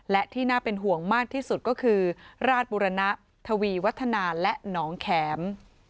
และที่น่าเป็นห่วงมากที่สุดก็คือราชบุรณะทวีวัฒนาและหนองแข็ม